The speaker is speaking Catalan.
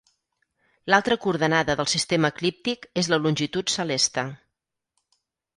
L'altra coordenada del sistema eclíptic és la longitud celeste.